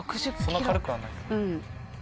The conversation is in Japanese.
そんな軽くはないか。